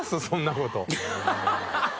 そんなこと。